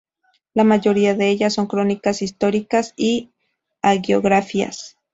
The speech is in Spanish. La mayoría de ellas son crónicas históricas y hagiografías.